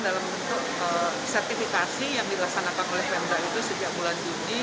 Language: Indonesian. dalam bentuk sertifikasi yang dilaksanakan oleh pemda itu sejak bulan juni